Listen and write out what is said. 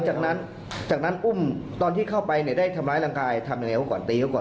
สุดท้ายตำรวจมาควบคุมตัวเนี่ยทำลายหลักฐานหมดแล้วแค่เห็นเท่านั้นแต่ไม่ได้เกี่ยวข้อง